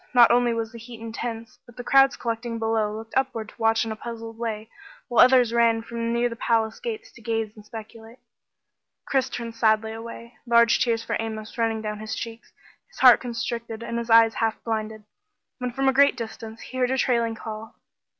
Not only was the heat intense but the crowds collecting below looked upward to watch in a puzzled way, while others ran from near the palace gates to gaze and speculate. Chris turned sadly away, large tears for Amos running down his cheeks, his heart constricted and his eyes half blinded, when from a great distance, he heard a trailing call.